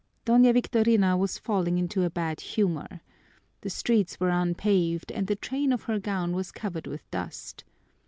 Doña Victorina was falling into a bad humor. The streets were unpaved and the train of her gown was covered with dust.